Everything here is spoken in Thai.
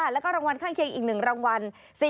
แล้วก็รางวัลข้างเคียงอีก๑รางวัล